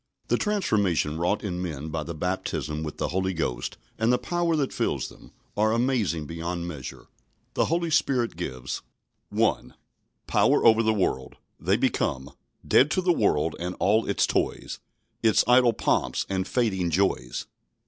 The transformation wrought in men by the baptism with the Holy Ghost, and the power that fills them, are amazing beyond measure. The Holy Spirit gives 1. Power over the world. They become "Dead to the world and all its toys, Its idle pomps and fading joys."